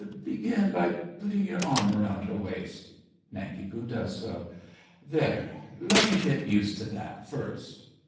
Begin by putting your arm round her waist. (Nanki Poo does so.) There; let me get used to that first.